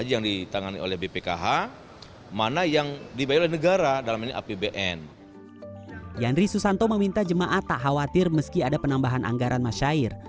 yandri susanto meminta jemaah tak khawatir meski ada penambahan anggaran masyair